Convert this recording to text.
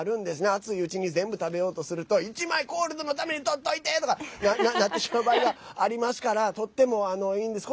熱いうちに全部食べようとすると１枚コールドのためにとっといて！とかなってしまう場合がありますからとっても、いいんです。